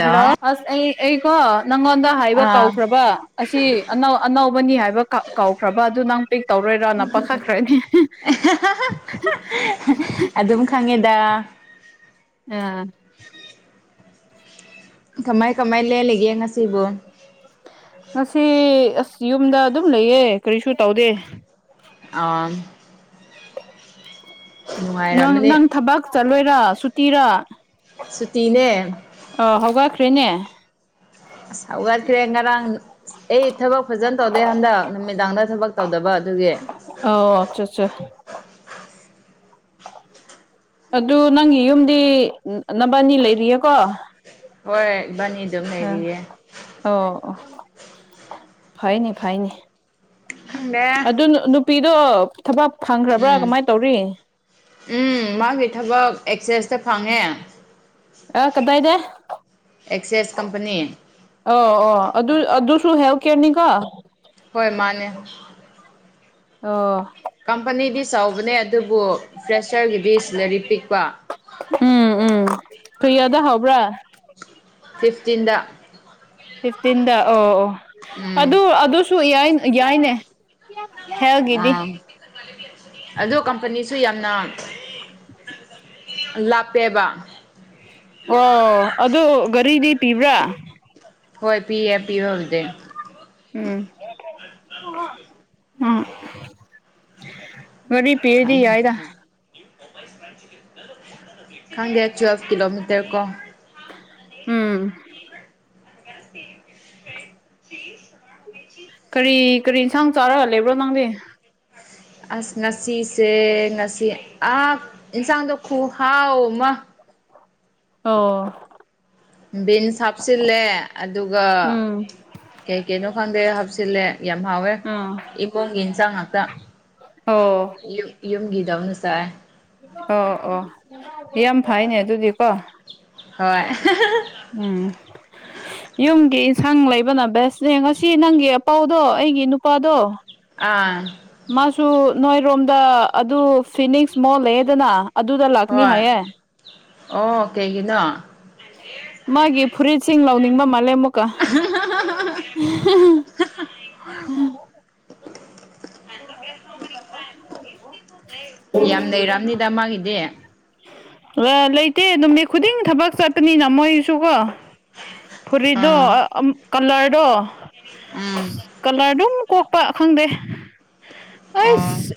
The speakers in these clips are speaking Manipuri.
ꯍꯜꯂꯣ ꯑꯁ ꯑꯩ ꯑꯩꯀꯣ ꯅꯪꯉꯣꯅꯗꯥ ꯍꯥꯏꯕ ꯑꯥ ꯀꯥꯎꯈ꯭ꯔꯕ ꯑꯁꯤ ꯑꯅꯧ ꯑꯅꯧꯕꯅꯤ ꯍꯥꯏꯕ ꯀꯥꯎꯈ꯭ꯔꯕ ꯑꯗꯨ ꯅꯪ ꯄꯤꯛ ꯇꯧꯔꯣꯏꯔꯥꯅ ꯄꯥꯈꯠꯈ꯭ꯔꯅꯤ ꯑꯗꯨꯝ ꯈꯪꯉꯦꯗ ꯑꯥ ꯀꯃꯥꯏ ꯀꯃꯥꯏ ꯂꯦꯜꯂꯤꯒꯦ ꯉꯁꯤꯕꯨ ꯉꯁꯤ ꯑꯁ ꯌꯨꯝꯗ ꯑꯗꯨꯝ ꯂꯩꯌꯦ ꯀꯔꯤꯁꯨ ꯇꯧꯗꯦ ꯑꯥ [unintelligible] ꯅꯪ ꯅꯨꯡꯉꯥꯏꯔꯝꯃꯅꯤ ꯅꯪ ꯊꯕꯛ ꯆꯠꯂꯣꯏꯔꯥ ꯁꯨꯇꯤꯔꯥ ꯁꯨꯇꯤꯅꯦ ꯑꯥ ꯍꯧꯒꯠꯈ꯭ꯔꯦꯅꯦ ꯑꯁ ꯍꯧꯒꯠꯈ꯭ꯔꯦ ꯉꯔꯥꯡ ꯑꯩ ꯊꯕꯛ ꯐꯖꯅ ꯇꯧꯗꯦ ꯍꯟꯗꯛ ꯅꯨꯃꯤꯗꯥꯡꯗ ꯊꯕꯛ ꯇꯧꯗꯕ ꯑꯗꯨꯒꯤ ꯑꯣ ꯑꯠ ꯆꯥ ꯆꯥ ꯑꯗꯨ ꯅꯪꯒꯤ ꯌꯨꯝꯗꯤ ꯅꯕꯥꯅꯤ ꯂꯩꯔꯤꯌꯦꯀꯣ ꯍꯣꯏ ꯏꯕꯥꯅꯤ ꯑꯗꯨꯝ ꯑ ꯂꯩꯔꯤꯌꯦ ꯑꯣ ꯐꯩꯅꯦ ꯐꯩꯅꯦ ꯈꯪꯗꯦ ꯑꯗꯨ ꯅꯨꯄꯤꯗꯣ ꯊꯕꯛ ꯐꯪꯈ꯭ꯔꯕ꯭ꯔꯥ ꯎꯝ ꯀꯃꯥꯏ ꯇꯧꯔꯤ ꯎꯝ ꯃꯥꯒꯤ ꯊꯕꯛ ꯑꯦꯛꯁꯦꯁꯇ ꯐꯪꯉꯦ ꯑ ꯀꯗꯥꯢꯗ ꯑꯦꯛꯁꯦꯁ ꯀꯝꯄꯅꯤ ꯑꯣ ꯑꯣ ꯑꯗꯨ ꯑꯗꯨꯁꯨ ꯍꯦꯂꯊ ꯀꯦꯔꯅꯤꯀꯣ ꯍꯣꯏ ꯃꯥꯅꯦ ꯑꯣ ꯀꯝꯄꯅꯤꯗꯤ ꯆꯥꯎꯕꯅꯦ ꯑꯗꯨꯕꯨ ꯐ꯭ꯔꯦꯁꯔꯒꯤꯗꯤ ꯁꯤꯂꯥꯔꯤ ꯄꯤꯛꯄ ꯎꯝ ꯎꯝ [unintelligible] ꯍꯥꯎꯕ꯭ꯔꯥ ꯐꯤꯐꯇꯤꯟꯗ ꯐꯤꯐꯇꯤꯟꯗ ꯑꯣ ꯑꯣ ꯎꯝ ꯑꯗꯨ ꯑꯗꯨꯁꯨ ꯌꯥꯢ ꯌꯥꯏꯅꯦ ꯍꯦꯜꯒꯤꯗꯤ ꯑꯥ ꯑꯗꯨ ꯀꯝꯄꯅꯤꯁꯨ ꯌꯥꯝꯅ ꯂꯥꯞꯄꯦꯕ ꯑꯣ ꯑꯗꯨ ꯒꯥꯔꯤꯗꯤ ꯄꯤꯕ꯭ꯔꯥ ꯍꯣꯏ ꯄꯤꯌꯦ ꯄꯤꯕꯕꯨꯗꯤ ꯎꯝ ꯎꯝ ꯒꯥꯔꯤ ꯄꯤꯔꯗꯤ ꯌꯥꯏꯗ [unintelligible] ꯈꯪꯗꯦ ꯇꯨꯋꯦꯜꯐ ꯀꯤꯂꯣꯃꯤꯇꯔ ꯀꯣ ꯎꯝ [inaudible] ꯀꯔꯤ ꯀꯔꯤ ꯏꯟꯁꯥꯡ ꯆꯥꯔꯒ ꯂꯩꯕ꯭ꯔꯣ ꯅꯪꯗꯤ ꯑꯁ ꯉꯁꯤꯁꯦ ꯉꯁꯤ ꯑꯥ ꯏꯟꯁꯥꯡꯗꯣ ꯈꯨꯍꯥꯎ ꯑꯃ ꯑꯣ ꯕꯤꯟꯁ ꯍꯥꯞꯆꯤꯜꯂꯦ ꯑꯗꯨꯒ ꯎꯝ ꯀꯩ ꯀꯩꯅꯣ ꯈꯪꯗꯦ ꯍꯥꯞꯆꯤꯜꯂꯦ ꯌꯥꯝ ꯍꯥꯎꯋꯦ ꯑꯥ ꯏꯕꯨꯡꯒꯤ ꯏꯟꯁꯥꯡ ꯉꯥꯛꯇ ꯑꯣ ꯌꯨꯝꯒꯤꯗꯧꯅ ꯆꯥꯏ ꯑꯣ ꯑꯣ ꯌꯥꯝ ꯐꯩꯅꯦ ꯑꯗꯨꯗꯤꯀꯣ ꯍꯣꯏ ꯎꯝ ꯌꯨꯝꯒꯤ ꯏꯟꯁꯥꯡ ꯂꯩꯕꯅ ꯕꯦꯁꯅꯦ ꯉꯁꯤ ꯅꯪꯒꯤ ꯑꯄꯧꯗꯣ ꯑꯩꯒꯤ ꯅꯨꯄꯥꯗꯣ ꯑꯥ ꯃꯥꯁꯨ ꯅꯣꯏꯔꯣꯝꯗ ꯑꯗꯨ ꯐꯤꯅꯤꯛꯁ ꯃꯣꯜ ꯂꯩꯌꯦꯗꯅ ꯑꯗꯨꯗ ꯂꯥꯛꯀꯅꯤ ꯍꯣꯏ ꯍꯥꯏꯌꯦ ꯑꯣ ꯀꯩꯒꯤꯅꯣ ꯃꯥꯒꯤ ꯐꯨꯔꯤꯠꯁꯤꯡ ꯂꯧꯅꯤꯡꯕ ꯃꯥꯜꯂꯦ ꯀꯥ [unintelligible] [unintelligible] ꯌꯥꯝ ꯂꯩꯔꯝꯅꯤꯗ ꯃꯥꯒꯤꯗꯤ ꯂꯥ ꯂꯩꯇꯦ ꯅꯨꯃꯤꯠ ꯈꯨꯗꯤꯡ ꯊꯕꯛ ꯆꯠꯄꯅꯤꯅ ꯃꯣꯏꯁꯨꯀꯣ [inaudible] ꯐꯨꯔꯤꯠꯗꯣ ꯑꯥ ꯑꯝ ꯀꯂꯔꯗꯣ ꯎꯝ ꯀꯂꯔꯗꯣ ꯀꯣꯛꯄ ꯈꯪꯗꯦ ꯑꯥ ꯑꯁ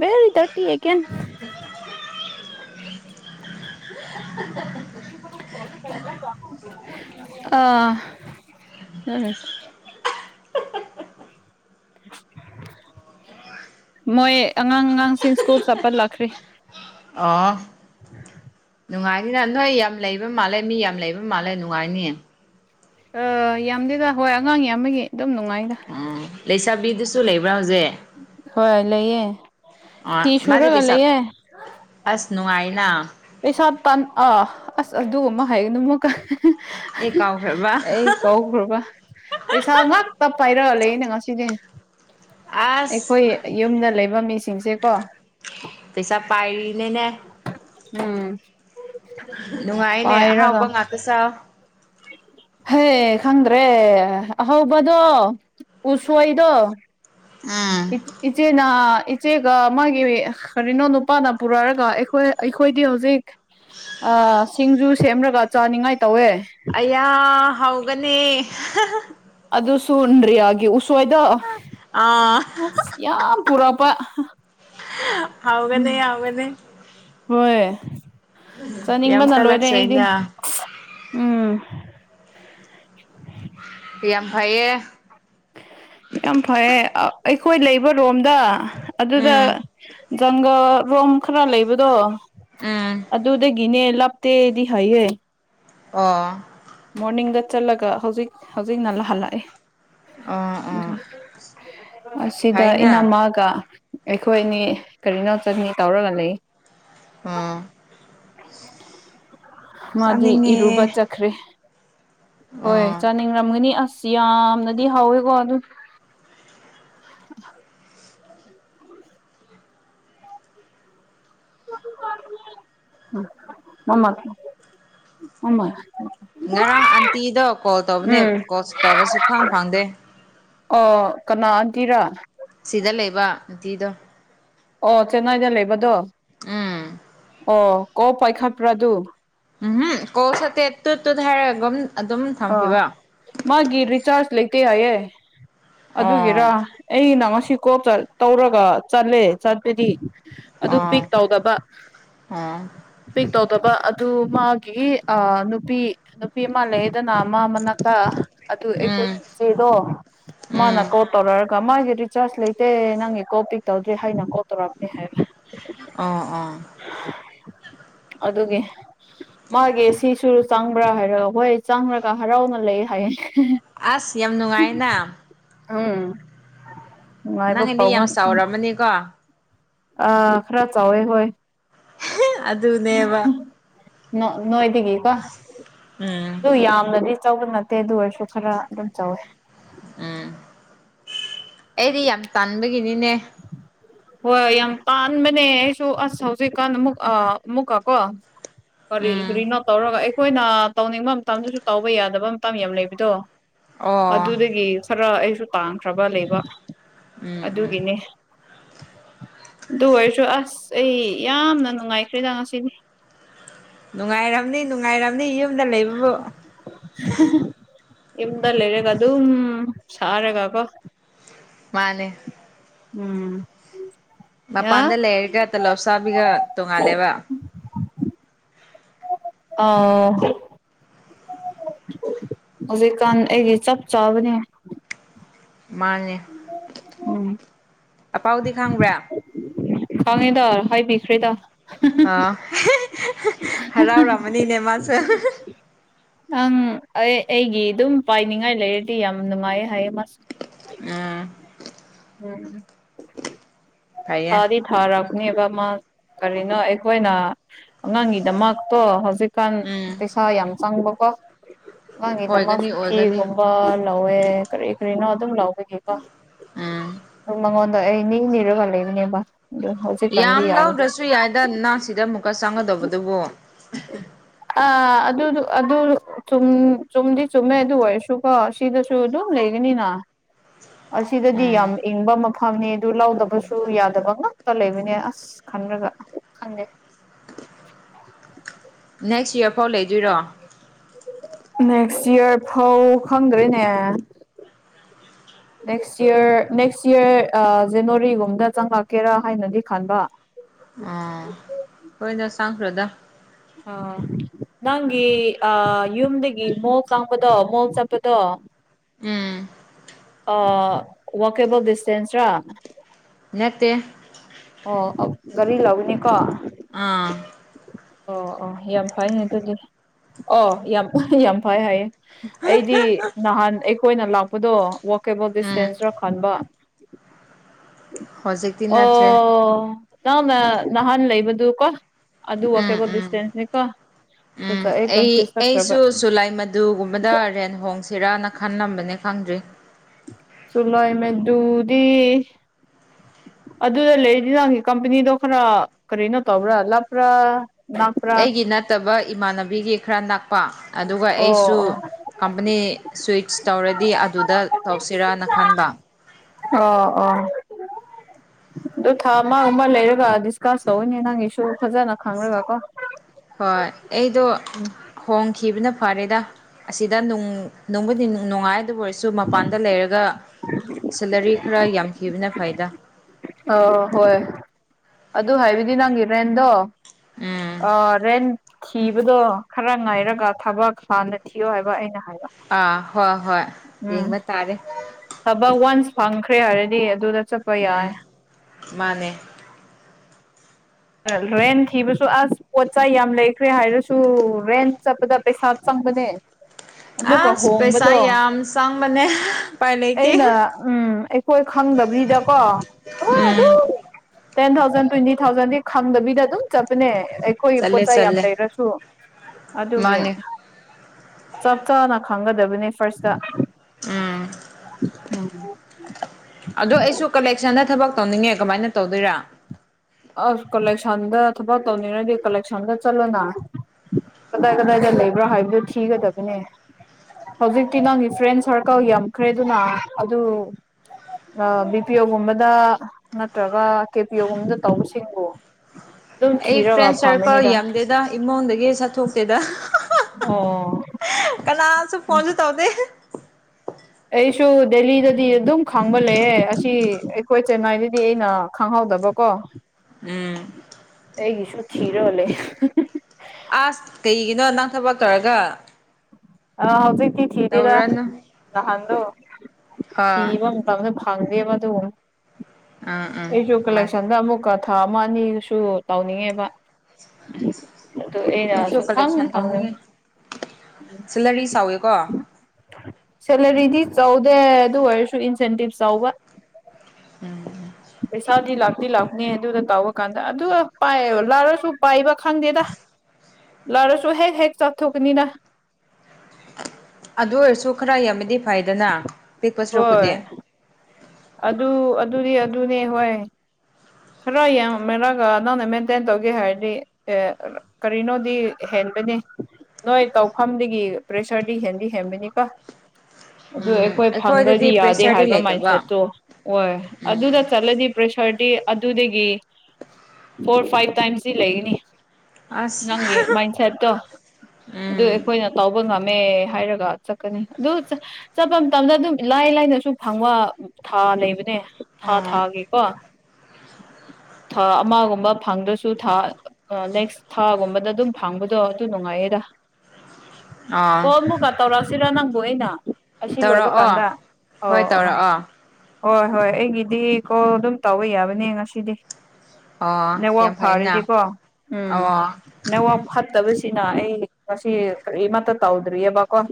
ꯕꯦꯔꯤ ꯗꯔꯇꯤ ꯑꯦꯒꯦꯟ [unintelligible] [unintelligible] ꯑꯥ [unintelligible] ꯃꯣꯏ ꯑꯉꯥꯡ ꯑꯉꯥꯡꯁꯤꯡ ꯁ꯭ꯀꯨꯜ ꯆꯠꯄ ꯂꯥꯛꯈ꯭ꯔꯤ ꯑꯣ ꯅꯨꯡꯉꯥꯏꯅꯤꯅ ꯅꯣꯏ ꯌꯥꯝ ꯂꯩꯕ ꯃꯥꯜꯂꯦ ꯃꯤ ꯌꯥꯝ ꯂꯩꯕ ꯃꯥꯜꯂꯦ ꯅꯨꯡꯉꯥꯏꯅꯤ ꯑꯥ ꯌꯥꯝꯗꯦꯗ ꯍꯣꯏ ꯑꯉꯥꯡ ꯌꯥꯝꯕꯒꯤ ꯑꯗꯨꯝ ꯅꯨꯡꯉꯥꯏꯗ ꯎꯝ ꯂꯩꯁꯥꯕꯤꯗꯨꯁꯨ ꯂꯩꯕ꯭ꯔꯥ ꯍꯧꯖꯤꯛ ꯍꯣꯏ ꯂꯩꯌꯦ ꯑꯣ ꯐꯤ ꯃꯥꯗꯤ ꯁꯨꯔꯒ ꯄꯩꯁꯥ ꯂꯩꯌꯦ ꯑꯁ ꯅꯨꯡꯉꯥꯏꯅ ꯄꯩꯁꯥ ꯇꯥꯟ ꯑꯥ ꯑꯁ ꯑꯗꯨꯒꯨꯝꯕ ꯍꯩꯒꯅꯨ ꯑꯃꯨꯛꯀꯥ ꯑꯦ ꯀꯥꯎꯈ꯭ꯔꯕ ꯑꯩ ꯀꯧꯈ꯭ꯔꯕ ꯄꯩꯁꯥ ꯉꯥꯛꯇ ꯄꯥꯏꯔꯒ ꯂꯩꯌꯦꯅꯦ ꯉꯁꯤꯗꯤ ꯑꯩꯈꯣꯏ ꯑꯁ ꯌꯨꯝꯗ ꯂꯩꯕ ꯃꯤꯁꯤꯡꯁꯦꯀꯣ ꯄꯩꯁꯥ ꯄꯥꯏꯔꯤꯅꯤꯅꯦ ꯎꯝ ꯅꯨꯡꯉꯥꯏꯅꯦ ꯄꯥꯏꯔꯒ ꯑꯍꯥꯎꯕ [inaudible] ꯉꯥꯛꯇ ꯆꯥꯎ ꯍꯦ ꯈꯪꯗ꯭ꯔꯦ ꯑꯍꯧꯕꯗꯣ ꯎꯁꯣꯏꯗꯣ ꯎꯝ ꯏ ꯏꯆꯦꯅ ꯏꯆꯦꯒ ꯃꯥꯒꯤ ꯀꯔꯤꯅꯣ ꯅꯨꯄꯥꯅ ꯄꯨꯔꯛꯑꯒ ꯑꯩꯈꯣꯏ ꯑꯩꯈꯣꯏꯗꯤ ꯍꯧꯖꯤꯛ ꯑꯥ ꯁꯤꯡꯖꯨ ꯁꯦꯝꯔꯒ ꯆꯥꯅꯤꯡꯉꯥꯏ ꯇꯧꯋꯦ ꯑꯌꯥ ꯍꯥꯎꯒꯅꯤ ꯑꯗꯨꯁꯨꯨ ꯎꯟꯗ꯭ꯔꯤꯌꯥꯒꯤ ꯎꯁꯣꯏꯗꯣ ꯑꯥ ꯑꯁ ꯌꯥꯝ ꯄꯨꯔꯛꯄ ꯍꯥꯎꯒꯅꯤ ꯌꯥꯎꯒꯅꯤ ꯍꯣꯏ ꯌꯥꯝ ꯆꯥꯅꯤꯡꯕꯅ ꯂꯣꯏꯔꯦ ꯑꯩꯗꯤ ꯀꯜꯂꯛꯆꯩꯅ ꯎꯝ [inaudible] ꯌꯥꯝ ꯍꯩꯌꯦ ꯌꯥꯝ ꯐꯩꯌꯦ ꯑꯩꯈꯣꯏ ꯂꯩꯕ ꯔꯣꯝꯗ ꯑꯗꯨꯗ ꯎꯝ ꯖꯪꯒꯜꯔꯣꯝ ꯈꯔ ꯂꯩꯕꯗꯣ ꯎꯝ ꯑꯗꯨꯗꯒꯤꯅꯦ ꯂꯞ ꯇꯦꯗꯤ ꯍꯩꯌꯦ ꯑꯣ ꯃꯣꯔꯅꯤꯡꯗ ꯆꯠꯂꯒ ꯍꯧꯖꯤꯛ ꯍꯧꯖꯤꯛ ꯉꯟꯂꯥ ꯍꯜꯂꯛꯑꯦ ꯑꯣ [unintelligible] ꯑꯁꯤꯗ ꯐꯩꯅ ꯏꯅꯝꯃꯒ ꯑꯩꯈꯣꯏꯅꯤ ꯀꯔꯤꯅꯣ ꯆꯠꯅꯤ ꯇꯧꯔꯒ ꯂꯩ꯫ ꯑꫭ ꯃꯥꯗꯤ ꯏꯔꯨꯕ ꯆꯥꯅꯤꯡꯉꯦ ꯆꯠꯈ꯭ꯔꯦ ꯍꯣꯏ ꯑꯣ ꯆꯥꯅꯤꯡꯔꯝꯒꯅꯤ ꯑꯁ ꯌꯥꯝꯅꯗꯤ ꯍꯥꯎꯋꯦꯀꯣ ꯑꯗꯨ [unintelligible] ꯃꯃꯥ ꯃꯃꯥ ꯉꯔꯥꯡ ꯑꯟꯇꯤꯗꯣ ꯀꯣꯜ ꯇꯧꯕꯅꯦ ꯀꯣꯜ ꯇꯧꯕ ꯁꯨ ꯐꯪ ꯐꯪꯗꯦ ꯑꯣ ꯀꯅꯥ ꯑꯟꯇꯤꯔꯥ ꯁꯤꯗ ꯂꯩꯕ ꯑꯟꯇꯤꯗꯣ ꯑꯣ ꯆꯦꯟꯅꯥꯏꯗ ꯂꯩꯕꯗꯣ ꯎꯝ꯫ ꯑꯣ ꯀꯣꯜ ꯄꯩꯈꯠꯄ꯭ꯔꯥ ꯑꯗꯨ ꯎꯝ ꯍꯨꯝ ꯀꯣꯜ ꯁꯠꯇꯦ ꯇꯨꯠ ꯇꯨꯠ ꯍꯥꯏꯔꯒꯝ ꯑꯗꯨꯝ ꯑꯥ ꯊꯝꯈꯤꯕ ꯃꯥꯒꯤ ꯔꯤꯆꯥꯔꯖ ꯂꯩꯇꯦ ꯍꯥꯏꯌꯦ ꯑꯗꯨꯒꯤꯔꯥ ꯑꯣ ꯑꯩꯅ ꯉꯁꯤ ꯀꯣꯜ ꯇꯧ ꯇꯧꯔꯒ ꯆꯠꯂꯦ ꯆꯠꯄꯗꯤ ꯑꯗꯨ ꯄꯤꯛ ꯑꯣ ꯇꯧꯗꯕ ꯑꯣ ꯄꯤꯛ ꯇꯧꯗꯕ ꯑꯗꯨ ꯃꯥꯒꯤ ꯑ ꯅꯨꯄꯤ ꯅꯨꯄꯤ ꯑꯃ ꯂꯩ ꯗꯅ ꯑꯃ ꯑꯃꯅꯥꯛꯇ ꯑꯗꯨ ꯎꯝ ꯑꯩꯈꯏ ꯆꯦꯗꯣ ꯃꯥꯅ ꯎꯝ ꯀꯣꯜ ꯇꯧꯔꯛꯑꯒ ꯃꯥꯒꯤ ꯔꯤꯆꯥꯔꯖ ꯂꯩꯇꯦ ꯅꯪꯒꯤ ꯀꯣꯜ ꯄꯤꯛ ꯇꯧꯗ꯭ꯔꯤ ꯍꯥꯏꯅ ꯀꯣꯜ ꯇꯧꯔꯛꯑꯦ ꯍꯥꯏꯕꯅꯤ ꯑꯣ ꯑꯣ ꯑꯗꯨꯒꯤ ꯃꯥꯒꯤ ꯁꯤꯁꯨ ꯆꯪꯕ꯭ꯔꯥ ꯍꯥꯏꯔꯒ ꯍꯣꯏ ꯆꯪꯔꯒ ꯍꯔꯥꯎꯅ ꯂꯩ ꯍꯥꯏꯌꯦ ꯑꯁ ꯌꯥꯝ ꯅꯨꯡꯉꯥꯏꯅ ꯑꯝ ꯅꯪ ꯑꯩꯗꯤ ꯌꯥꯝ ꯁꯥꯎꯔꯝꯃꯅꯤꯀꯣ ꯑꯥ ꯈꯔ ꯆꯥꯎꯋꯦ ꯍꯣꯏ ꯍꯦ ꯑꯗꯨꯅꯦꯕ ꯅꯣꯏ ꯅꯣꯏꯗꯒꯤꯀꯣ ꯎꯝ꯫ ꯑꯗꯨ ꯌꯥꯝꯅꯗꯤ ꯆꯧꯕ ꯅꯠꯇꯦ ꯑꯗꯨ ꯑꯣꯏꯔꯁꯨ ꯈꯔ ꯑꯗꯨꯝ ꯆꯧꯋꯦ ꯎꯝ ꯑꯩꯗꯤ ꯌꯥꯝ ꯇꯟꯕꯒꯤꯅꯤꯅꯦ [inaudible] ꯍꯣꯏ ꯌꯥꯝ ꯇꯟꯕꯅꯦ ꯑꯩꯁꯨ ꯑꯁ ꯍꯧꯖꯤꯛꯀꯥꯟ ꯑꯃꯨꯛꯀ ꯑꯥ ꯑꯃꯨꯛꯀꯀꯣ ꯀꯔꯤ ꯎꯝ ꯀꯔꯤꯅꯣ ꯇꯧꯔꯒ ꯑꯩꯈꯣꯏꯅ ꯇꯧꯅꯤꯡꯕ ꯃꯇꯝꯗꯨꯁꯨ ꯇꯧꯕ ꯌꯥꯗꯕ ꯃꯇꯝ ꯌꯥꯝ ꯂꯩꯕꯗꯣ ꯑꯣ ꯑꯗꯨꯗꯒꯤ ꯈꯔ ꯑꯩꯁꯨ ꯇꯥꯡꯈ꯭ꯔꯥꯕ ꯂꯩꯕ ꯎꯝ ꯎꯝ ꯑꯗꯨꯒꯤꯅꯤ ꯑꯗꯨ ꯑꯣꯏꯔꯁꯨ ꯑꯁ ꯑꯩ ꯌꯥꯝꯅ ꯅꯨꯡꯉꯥꯏꯈ꯭ꯔꯦꯗ ꯉꯁꯤꯗꯤ ꯅꯨꯡꯉꯥꯏꯔꯝꯅꯤ ꯅꯨꯡꯉꯥꯏꯔꯝꯅꯤ ꯌꯨꯝꯗ ꯂꯩꯕꯕꯨ ꯌꯨꯝꯗ ꯂꯩꯔꯒ ꯑꯗꯨꯝ ꯁꯥꯔꯒꯀꯣ ꯃꯥꯅꯦ ꯎꯝ꯫ ꯌꯥ ꯃꯄꯥꯟꯗ ꯂꯩꯔꯒ ꯇꯣꯂꯣꯞ ꯆꯥꯕꯤꯒ ꯇꯣꯡꯉꯥꯜꯂꯦꯕ ꯑꯥꯎ ꯍꯧꯖꯤꯛꯀꯥꯟ ꯑꯩꯒꯤ ꯆꯞ ꯆꯥꯕꯅꯤ ꯃꯥꯅꯦ ꯎꯝ ꯑꯄꯥꯎꯗꯤ ꯈꯪꯕ꯭ꯔꯥ ꯈꯪꯉꯦꯗ ꯍꯥꯏꯕꯤꯈ꯭ꯔꯦꯗ ꯑꯥ ꯍꯔꯥꯎꯔꯝꯃꯅꯤꯅꯦ ꯃꯥꯁꯨ ꯅꯪ ꯑꯩ ꯑꯩꯒꯤ ꯑꯗꯨꯝ ꯄꯥꯏꯅꯤꯡꯉꯥꯏ ꯂꯩꯔꯗꯤ ꯌꯥꯝ ꯅꯨꯡꯉꯥꯏꯌꯦ ꯍꯥꯏꯌꯦ ꯃꯥꯁꯨ ꯎꯝ ꯎꯝ ꯐꯩꯌꯦ ꯐꯗꯤ ꯐꯔꯕꯅꯦꯕ ꯃꯥ ꯀꯔꯤꯅꯣ ꯑꯩꯈꯣꯏꯅ ꯑꯉꯥꯡꯒꯤꯗꯃꯛꯇꯣ ꯍꯧꯖꯤꯛꯀꯥꯟ ꯎꯝ ꯄꯩꯁꯥ ꯌꯥꯝ ꯆꯪꯕꯀꯣ ꯃꯥꯒꯤꯗꯃꯛ ꯑꯣꯏꯒꯅꯤ ꯑꯣꯏꯒꯅꯤ ꯐꯤꯒꯨꯝ ꯄꯥ ꯂꯧꯋꯦ ꯀꯔꯤ ꯀꯔꯤꯅꯣ ꯑꯗꯨꯝ ꯂꯧꯕꯒꯤꯀꯣ ꯎꯝ ꯑꯩ ꯃꯉꯣꯟꯗ ꯑꯩ ꯅꯤ ꯅꯤꯔꯒ ꯂꯩꯕꯅꯦꯕ ꯑꯗꯨ ꯌꯥꯝ ꯍꯧꯖꯤꯛꯀꯥꯟꯗꯤ ꯌꯥꯔꯦ ꯂꯧꯗ꯭ꯔꯁꯨ ꯌꯥꯏꯗ ꯅꯥ ꯁꯤꯗ ꯃꯨꯛꯀ ꯆꯪꯒꯗꯧꯕꯗꯨꯕꯨ ꯑꯥ ꯑꯗꯨꯗꯨ ꯑꯗꯨ ꯨꯆꯨꯝ ꯆꯨꯝꯗꯤ ꯆꯨꯝꯃꯦ ꯑꯗꯨ ꯑꯣꯏꯔꯁꯨꯀꯣ ꯁꯤꯗꯁꯨ ꯑꯗꯨꯝ ꯂꯩꯔꯤꯅꯤꯅ ꯑꯁꯤꯗꯗꯤ ꯎꯝ ꯌꯥꯝ ꯏꯪꯕ ꯃꯐꯝꯅꯤ ꯑꯗꯨ ꯂꯧꯗꯕꯁꯨ ꯌꯥꯗꯕ ꯉꯥꯛꯇ ꯂꯩꯕꯅꯦ ꯑꯁ ꯈꯟꯔꯒ ꯈꯟꯗꯦ ꯅꯦꯛꯁ ꯌꯔꯐꯥꯎ ꯂꯩꯗꯣꯏꯔꯣ ꯅꯦꯛꯁ ꯌꯔ ꯐꯥꯎ ꯈꯪꯗ꯭ꯔꯦꯅꯦ ꯅꯦꯛꯁ ꯌꯔ ꯅꯦꯛꯁ ꯌꯔ ꯑꯥ ꯖꯟꯋꯥꯔꯤꯒꯨꯝꯕꯗ ꯆꯪꯪꯂꯛꯀꯦꯔꯥ ꯍꯥꯏꯅꯗꯤ ꯈꯟꯕ ꯑꯥ ꯂꯣꯏꯅ ꯆꯪꯈ꯭ꯔꯣꯗ ꯑꯥ ꯅꯪꯒꯤ ꯑꯥ ꯌꯨꯝꯗꯒꯤ ꯃꯣꯜ ꯆꯪꯕꯗꯣ ꯃꯣꯜ ꯆꯠꯄꯗꯣ ꯎꯝ ꯑꯥ ꯋꯥꯀꯦꯕꯜ ꯗꯤꯁꯇꯦꯟꯁꯔ ꯅꯠꯇꯦ ꯑꯣ ꯑꯥꯎ ꯒꯥꯔꯤ ꯂꯧꯒꯅꯤꯀꯣ ꯑꯥ ꯑꯣ ꯑꯣ ꯌꯥꯝ ꯐꯩꯅꯦ ꯑꯗꯨꯗꯤ ꯑꯣ ꯌꯥꯝ ꯌꯥꯝ ꯐꯩ ꯍꯥꯏꯌꯦ ꯑꯩꯗꯤ ꯅꯍꯥꯟ ꯑꯩꯈꯣꯏꯅ ꯂꯥꯛꯄꯗꯣ ꯋꯥꯛꯀꯦꯕꯜ ꯎꯝ ꯗꯤꯁꯇꯦꯟꯁꯔ ꯈꯟꯕ ꯍꯧꯖꯤꯛꯇꯤ ꯅꯠꯇ꯭ꯔꯦ ꯑꯣ ꯅꯪꯅ ꯅꯍꯥꯟ ꯂꯩꯕꯗꯨ ꯀꯣ ꯑꯗꯨ ꯎꯝ ꯋꯥꯛꯀꯦꯕꯜ ꯎꯝ ꯗꯤꯁꯇꯦꯟꯁꯅꯤ ꯀꯣ ꯎꯝ ꯑꯩ ꯑꯩꯁꯨ ꯖꯨꯂꯥꯏ ꯃꯗꯨꯒꯨꯝꯕꯗ ꯔꯦꯟ ꯍꯣꯡꯁꯤꯔꯥꯅ ꯈꯜꯂꯝꯕꯅꯦ ꯈꯪꯗ꯭ꯔꯤ ꯖꯨꯂꯥꯏ ꯃꯦꯗꯨꯗꯤ ꯑꯗꯨꯗ ꯂꯩꯔꯗꯤ ꯅꯪꯒꯤ ꯀꯝꯄꯅꯤꯗꯣ ꯈꯔ ꯀꯔꯤꯅꯣ ꯇꯧꯕ꯭ꯔꯥ ꯂꯥꯞꯄ꯭ꯔꯥ ꯅꯛꯄ꯭ꯔꯥ ꯑꯩꯒꯤ ꯅꯠꯇꯕ ꯏꯃꯥꯟꯅꯕꯤꯒꯤ ꯈꯔ ꯅꯛꯄ ꯑꯗꯨꯒ ꯑꯣ ꯑꯩꯁꯨ ꯑꯣ ꯀꯝꯄꯅꯤ ꯁ꯭ꯋꯤꯆ ꯇꯧꯔꯗꯤ ꯑꯗꯨꯗ ꯇꯧꯁꯤꯔꯅ ꯈꯟꯕ ꯑꯣ ꯑꯣ ꯑꯗꯨ ꯊꯥ ꯑꯃ ꯒꯨꯝꯕ ꯂꯩꯔꯒ ꯗꯤꯁꯀꯥꯁ ꯇꯧꯋꯦꯅꯦ ꯅꯪꯒꯤꯁꯨ ꯐꯖꯅ ꯈꯪꯔ꯭ꯔꯒ ꯀꯣ ꯍꯣꯏ ꯑꯩꯗꯣ ꯎꯝ ꯍꯣꯡꯈꯤꯕꯅ ꯐꯔꯦꯗ ꯑꯁꯤꯗꯅꯨꯡ ꯅꯨꯡꯕꯨꯗꯤ ꯅꯨꯡꯉꯥꯏ ꯑꯗꯨꯕꯨ ꯑꯣꯏꯔꯁꯨ ꯃꯄꯥꯟꯗ ꯂꯩꯔꯒ ꯁꯦꯂꯔꯤ ꯈꯔ ꯌꯥꯝꯈꯤꯕꯅ ꯐꯩꯗ ꯑꯥ ꯍꯣꯏ ꯑꯗꯨ ꯍꯥꯏꯕꯗꯤ ꯅꯪꯒꯤ ꯔꯦꯟꯗꯣ ꯎꯝ ꯑꯥ ꯔꯦꯟ ꯊꯤꯕꯗꯣ ꯈꯔ ꯉꯥꯏꯔꯒ ꯊꯕꯛ ꯍꯥꯟꯅ ꯊꯤꯌꯣ ꯍꯥꯏꯕ ꯑꯩꯅ ꯍꯥꯏꯕ ꯑꯥ ꯍꯣꯏ ꯍꯣꯏ ꯎꯝ ꯌꯦꯡꯕ ꯇꯥꯔꯦ ꯊꯕꯛ ꯋꯥꯟꯁ ꯐꯪꯈ꯭ꯔꯦ ꯍꯥꯏꯔꯗꯤ ꯑꯗꯨꯗ ꯆꯠꯄ ꯎꯝ ꯌꯥꯏ ꯃꯥꯅꯦ ꯔꯦꯟ ꯊꯤꯕꯁꯨ ꯑꯁ ꯄꯣꯠ ꯆꯩ ꯌꯥꯝ ꯂꯩꯈ꯭ꯔꯦ ꯍꯥꯏꯔꯁꯨ ꯔꯦꯟ ꯆꯠꯄꯗ ꯄꯩꯁꯥ ꯆꯪꯕꯅꯦ [inaudible] ꯑꯃꯨꯛꯀ ꯑꯁ ꯄꯩꯁꯥ ꯍꯣꯡꯕꯗꯣ ꯌꯥꯝ ꯆꯪꯕꯅꯦ ꯎꯄꯥꯏ ꯂꯩꯇꯦ ꯑꯩꯅ ꯎꯝ ꯍꯣꯏ ꯈꯪꯗꯕꯤꯗꯀꯣ ꯍꯣꯏ ꯎꯝ ꯑꯗꯨꯝ ꯇꯦꯟ ꯊꯥꯎꯖꯟ ꯇ꯭ꯋꯦꯟꯇꯤ ꯊꯥꯎꯖꯟꯗꯤ ꯈꯪꯗꯕꯤꯗ ꯑꯗꯨꯝ ꯆꯠꯄꯅꯦ ꯑꯩꯈꯣꯏꯒꯤ ꯄꯣꯠ ꯆꯠꯂꯦ ꯆꯩ ꯌꯥꯝ ꯆꯠꯂꯦ ꯂꯩꯔꯁꯨ ꯑꯗꯨꯒꯤ ꯃꯥꯅꯦ ꯆꯞ ꯆꯥꯅ ꯈꯪꯒꯗꯕꯅꯤ ꯐꯥꯔꯁꯇ ꯎꯝ ꯎꯝ ꯑꯗꯣ ꯑꯩꯁꯨ ꯀꯂꯦꯛꯁꯟꯗ ꯊꯕꯛ ꯇꯧꯅꯤꯡꯉꯦ ꯀꯃꯥꯏꯅ ꯇꯧꯗꯣꯏꯔꯥ ꯑꯁ ꯀꯂꯦꯛꯁꯟꯗ ꯊꯕꯛ ꯇꯧꯅꯤꯡꯔꯗꯤ ꯀꯂꯦꯛꯁꯟꯗ ꯆꯠꯂꯣꯅꯥ ꯀꯗꯥꯏ ꯀꯗꯥꯏꯗ ꯂꯩꯕ꯭ꯔ ꯍꯥꯏꯕꯗꯨ ꯊꯤꯒꯗꯕꯅꯦ ꯍꯧꯖꯤꯛꯇꯤ ꯅꯪꯒꯤ ꯐ꯭ꯔꯦꯟ ꯁꯥꯔꯀꯜ ꯌꯥꯝꯈ꯭ꯔꯦ ꯑꯗꯨꯅ ꯑꯗꯨ ꯕꯤ ꯄꯤ ꯑꯣ ꯒꯨꯝꯕꯗ ꯅꯠꯇ꯭ꯔꯒ ꯀꯦ ꯄꯤ ꯑꯣ ꯒꯨꯝꯕꯗ ꯇꯧꯕꯁꯤꯡꯕꯨ ꯑꯗꯨꯝ ꯑꯩ ꯊꯤꯔꯒ ꯐ꯭ꯔꯦꯟ ꯁꯥꯔꯀꯜ ꯐꯪꯒꯅꯤꯗ ꯌꯥꯝꯗꯦꯗ ꯏꯃꯨꯡꯗꯒꯤ ꯆꯠꯊꯣꯛꯇꯦꯗ ꯑꯣ ꯀꯥꯅꯁꯨ ꯎꯝ ꯐꯣꯟꯁꯨ ꯇꯧꯗꯦ ꯑꯩꯁꯨ ꯗꯦꯂꯤꯗꯗꯤ ꯑꯗꯨꯝ ꯈꯪꯕ ꯂꯩꯑꯦ ꯑꯁꯤ ꯑꯩꯈꯣꯏ ꯆꯦꯟꯅꯥꯏꯗꯗꯤ ꯑꯩꯅ ꯈꯪꯍꯧꯗꯕ ꯀꯣ ꯎꯝ ꯑꯩꯒꯤꯁꯨ ꯊꯤꯔꯒ ꯂꯩ ꯑꯁ ꯀꯩꯒꯤꯅꯣ ꯅꯪ ꯊꯕꯛ ꯇꯧꯔꯒ ꯑꯥ ꯍꯧꯖꯤꯛꯇꯤ ꯊꯤꯗꯦꯗ ꯇꯧꯔꯅꯨ ꯅꯍꯥꯟꯗꯣ ꯍꯣꯏ ꯊꯤꯕꯝ ꯐꯪꯁꯨ ꯐꯪꯗꯦꯕ ꯑꯗꯨ ꯎꯝ ꯎꯝ ꯑꯩꯁꯨ ꯃꯥꯅꯦ ꯀꯂꯦꯛꯁꯟꯗ ꯑꯃꯨꯛꯀꯥ ꯊꯥ ꯑꯃ ꯑꯅꯤꯗꯨꯁꯨ ꯇꯩꯅꯤꯡꯉꯦꯕ ꯑꯗꯨ ꯑꯩꯅ ꯑꯩꯁꯨ ꯁꯨꯛꯐꯪ ꯀꯂꯦꯛꯁꯟ ꯐꯪꯗꯕ [unintelligible] ꯀꯣ ꯁꯦꯂꯔꯤꯗꯤ ꯆꯥꯎꯗꯦ ꯑꯗꯨ ꯑꯣꯏꯔꯁꯨ ꯏꯟꯁꯦꯟꯇꯤꯞ ꯆꯥꯎꯕ ꯎꯝ ꯄꯩꯁꯥꯗꯤ ꯂꯥꯛꯇꯤ ꯂꯥꯛꯄꯅꯤ ꯑꯗꯨꯗ ꯇꯥꯎꯕ ꯀꯥꯟꯗ ꯑꯗꯨꯒ ꯄꯥꯏ ꯂꯥꯛꯔꯁꯨ ꯄꯥꯏꯕ ꯈꯪꯗꯦꯗ ꯂꯥꯛꯔꯁꯨ ꯍꯦꯛ ꯍꯦꯛ ꯆꯥꯊꯣꯛꯀꯅꯤꯗ ꯑꯗꯨ ꯑꯣꯏꯔꯁꯨ ꯈꯔ ꯌꯥꯝꯕꯗꯤ ꯐꯩꯗꯅ ꯄꯤꯛꯄ ꯍꯣꯏ ꯁꯔꯨꯛꯄꯨꯗꯤ ꯑꯗꯨ ꯑꯗꯨꯗꯤ ꯑꯗꯨꯅꯦ ꯍꯣꯏ ꯈꯔ ꯌꯥꯝꯔꯒ ꯅꯪꯅ ꯃꯦꯟꯇꯦꯟ ꯇꯧꯒꯦ ꯍꯥꯏꯔꯗꯤ ꯑꯦ ꯀꯔꯤꯅꯣꯗꯤ ꯍꯦꯟꯕꯅꯤ ꯅꯣꯏ ꯇꯧꯐꯝꯗꯒꯤ ꯄ꯭ꯔꯦꯁꯔꯗꯤ ꯍꯦꯟꯗꯤ ꯍꯦꯟꯕꯅꯤꯀꯣ ꯑꯗꯨ ꯎꯝ ꯑꯩꯈꯣꯏ ꯐꯪꯗ꯭ꯔꯗꯤ ꯑꯩꯈꯣꯏꯗꯗꯤ ꯌꯥꯗꯦ ꯄ꯭ꯔꯦꯁꯔꯗꯤ ꯍꯥꯏꯕ ꯂꯩꯇꯕ ꯃꯥꯏꯟꯁꯦꯠꯇꯣ ꯑꯣꯏ ꯑꯗꯨꯗ ꯎꯝ ꯆꯠꯂꯗꯤ ꯄ꯭ꯔꯦꯁꯔꯗꯤ ꯑꯗꯨꯗꯒꯤ ꯐꯣꯔ ꯐꯥꯏꯚ ꯇꯥꯏꯝꯁꯇꯤ ꯂꯩꯒꯅꯤ ꯑꯁ ꯅꯪꯒꯤ ꯃꯥꯏꯟꯁꯦꯠꯇꯣ ꯑꯗꯨ ꯎꯝ ꯑꯩꯈꯣꯏꯅ ꯇꯧꯕ ꯉꯝꯃꯦ ꯍꯥꯏꯔꯒ ꯆꯠꯀꯅꯤ ꯑꯗꯨ ꯆꯠꯄ ꯃꯇꯝꯗ ꯑꯗꯨꯝ ꯏꯂꯥꯏ ꯂꯥꯏꯅꯁꯨ ꯐꯪꯕ ꯊꯥ ꯂꯩꯕꯅꯦ ꯊꯥ ꯑꯣ ꯊꯥꯒꯤꯀꯣ ꯊꯥ ꯑꯃꯒꯨꯝꯕ ꯐꯪꯗ꯭ꯔꯁꯨ ꯊꯥ ꯅꯦꯛꯁ ꯊꯥꯒꯨꯝꯕꯗ ꯑꯗꯨꯝ ꯐꯪꯕꯗꯣ ꯑꯗꯨ ꯅꯨꯡꯉꯥꯏꯌꯦꯗ ꯑꯣ ꯀꯣꯜ ꯑꯃꯨꯛꯀ ꯇꯧꯔꯛꯁꯤꯔ ꯅꯪꯕꯨ ꯑꯩꯅ ꯑꯁꯤ ꯂꯣꯏꯕ ꯀꯥꯟꯗ ꯇꯧꯔꯛꯑꯣ ꯑꯣ ꯍꯣꯏ ꯑꯣ ꯇꯧꯔꯛꯑꯣ ꯍꯣꯏ ꯍꯣꯏ ꯑꯩꯒꯤꯗꯤ ꯀꯣꯜ ꯑꯗꯨꯝ ꯇꯧꯕ ꯌꯥꯕꯅꯦ ꯉꯁꯤꯗꯤ ꯑꯣ ꯅꯦꯛꯋꯥꯛ ꯌꯥꯝ ꯐꯩꯅ ꯐꯥꯔꯤꯗꯤꯀꯣ ꯎꯝ ꯑꯣ ꯅꯦꯠꯋꯥꯛ ꯐꯠꯇꯕꯁꯤꯅ ꯑꯩ ꯉꯁꯤ ꯀꯔꯤꯃꯠꯇ ꯇꯧꯗ꯭ꯔꯤꯑꯦꯕꯀꯣ